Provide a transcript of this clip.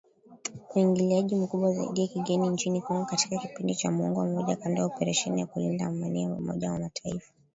Uingiliaji mkubwa zaidi wa kigeni nchini Congo katika kipindi cha muongo mmoja kando na operesheni ya kulinda Amani ya Umoja wa Mataifa